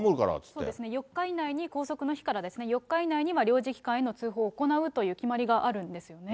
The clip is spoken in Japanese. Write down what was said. そうですね、４日以内に、拘束の日から４日以内には、領事機関への通報を行うという決まりがあるんですよね。